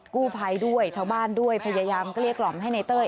กู้ภัยด้วยชาวบ้านด้วยพยายามเกลี้ยกล่อมให้ในเต้ย